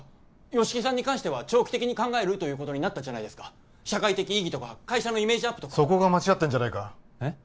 吉木さんに関しては長期的に考えるということになったじゃないですか社会的意義とか会社のイメージアップとかそこが間違ってんじゃないかえっ？